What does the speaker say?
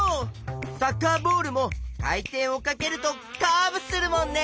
サッカーボールも回転をかけるとカーブするもんね。